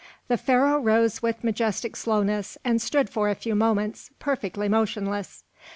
The Pharaoh rose with majestic slowness and stood for a few moments perfectly motionless.